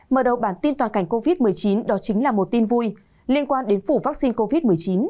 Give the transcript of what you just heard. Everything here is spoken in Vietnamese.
mở đầu bản tin toàn cảnh covid một mươi chín đó chính là một tin vui liên quan đến phủ vaccine covid một mươi chín